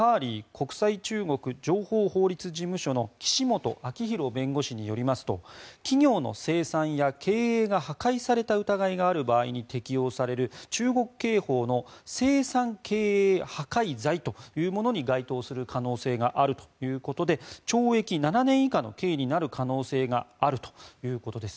国際中国・情報法律事務所の岸本明洋弁護士によりますと企業の生産や経営が破壊された疑いがある場合に適用される中国刑法の生産経営破壊罪というものに該当する可能性があるということで懲役７年以下の刑になることがあるということです。